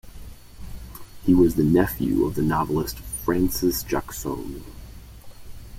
He was the nephew of the novelist Frances Jacson.